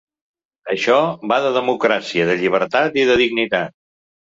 Això va de democràcia, de llibertat i de dignitat.